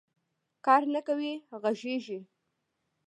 کار نه کوې غږېږې